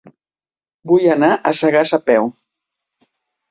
Vull anar a Sagàs a peu.